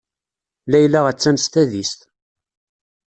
Layla attan s tadist.